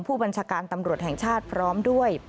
ผู้บัญชาการตำรวจแห่งชาติพร้อมด้วย